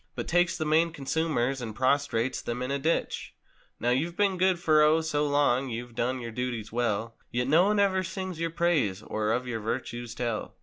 But takes the main consumers and prostrates them in the ditch. Now you've been good for O, so long—you've done your duties well— Yet no one ever sings your praise, or of your virtues tell.